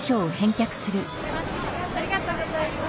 ありがとうございます。